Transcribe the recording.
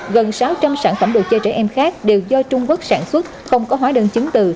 gần sáu trăm linh sản phẩm đồ chơi trẻ em khác đều do trung quốc sản xuất không có hóa đơn chứng từ